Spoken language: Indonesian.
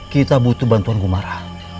kita butuh bantuan gumara